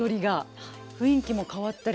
雰囲気も変わったりして。